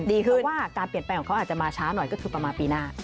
ว่าการเปลี่ยนแปลงของเขาอาจจะมาช้าหน่อยก็คือประมาณปีหน้า